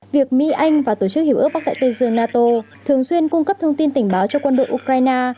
việc mỹ anh và tổ chức hiểu ước bắc đại tây dương nato thường xuyên cung cấp thông tin tình báo cho quân đội ukraine